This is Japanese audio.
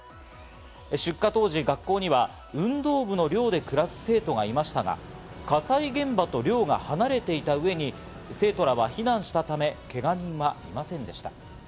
出火当時、学校には運動部の寮で暮らす生徒がいましたが火災現場と寮が離れていた上に、生徒らは避難したため、けが人はいませんでした。